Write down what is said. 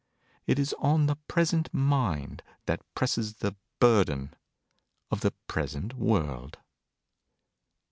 It is on the present mind that presses the burden of the present world.